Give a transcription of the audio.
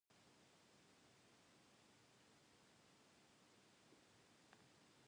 The schoolhouse was located in the hill-top village of Catamount.